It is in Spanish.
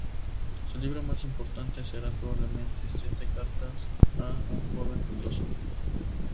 Su libro más importante será probablemente "Siete cartas a un joven filósofo".